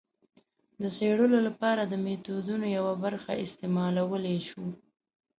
د څېړلو لپاره د میتودونو یوه برخه استعمالولای شو.